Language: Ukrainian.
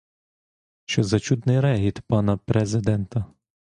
Що за чудний регіт пана президента?